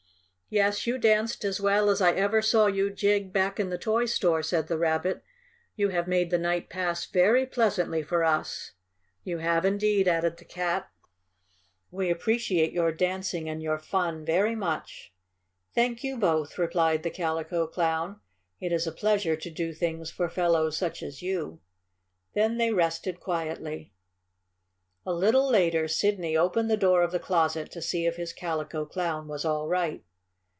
"Yes, you danced as well as I ever saw you jig back in the toy store," said the Rabbit. "You have made the night pass very pleasantly for us." "You have indeed," added the Cat. "We appreciate your dancing and your fun very much." "Thank you, both," replied the Calico Clown. "It is a pleasure to do things for fellows such as you." Then they rested quietly. A little later Sidney opened the door of the closet to see if his Calico Clown was all right.